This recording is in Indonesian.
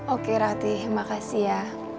oke rati makasih ya